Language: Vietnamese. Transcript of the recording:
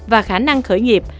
và khả năng khởi nghiệp